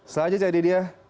selanjutnya jadi dia